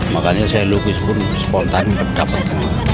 makanya saya lukis pun spontan dapat